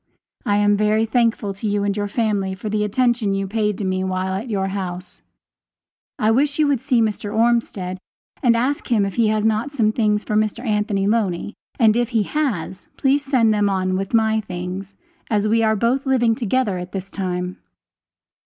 I am very thankful to you and your family for the attention you paid to me while at your house. I wish you would see Mr. Ormsted and ask him if he has not some things for Mr. Anthony Loney, and if he has, please send them on with my things, as we are both living together at this time.